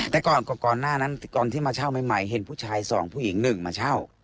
แต่ก่อนหน้านั้นก่อนที่มาเช่าใหม่เห็นผู้ชาย๒ผู้หญิง๑มาเช่า